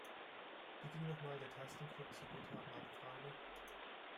Wie ging noch mal der Tastencode zur Guthabenabfrage?